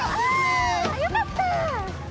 あよかった！